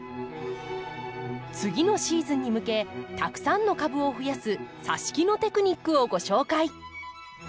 次のシーズンに向けたくさんの株を増やすさし木のテクニックをご紹介。